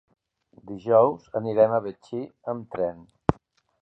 Dijous anirem a Betxí amb tren.